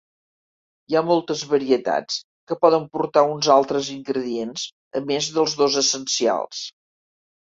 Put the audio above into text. Hi ha moltes varietats que poden portar uns altres ingredients a més dels dos essencials.